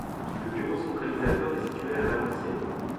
Le bureau centralisateur est situé à Valenciennes.